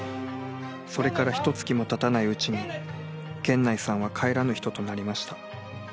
［それからひとつきもたたないうちに源内さんは帰らぬ人となりました］